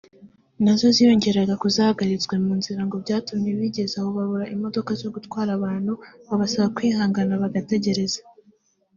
nazo ziyongeraga ku zahagaritswe mu nzira ngo byatumye bigezaho babura imodoka zo gutwaramo abantu babasaba kwihangana bagategereza